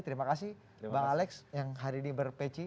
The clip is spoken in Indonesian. terima kasih bang alex yang hari ini berpeci